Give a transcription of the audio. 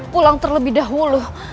pulang terlebih dahulu